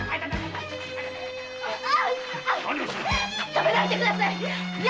止めないでください！